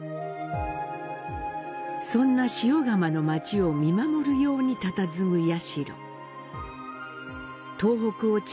そんな塩竈の町を見守るようにたたずむ社。